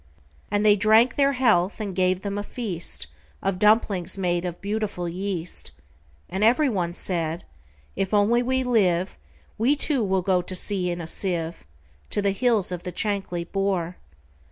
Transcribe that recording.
And they drank their health, and gave them a feastOf dumplings made of beautiful yeast; And every one said, "If we only live, We, too, will go to sea in a sieve, To the hills of the Chankly Bore."